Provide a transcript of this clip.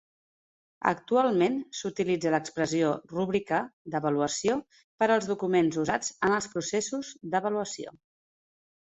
Actualment s'utilitza l'expressió Rúbrica d'avaluació per als documents usats en els processos d'avaluació.